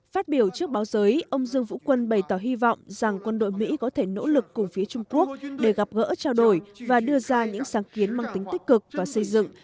phát biểu trước báo giới ông dương vũ quân bày tỏ hy vọng rằng quân đội mỹ có thể nỗ lực cùng phía trung quốc để gặp gỡ trao đổi và đưa ra những sáng kiến mang tính tích cực và xây dựng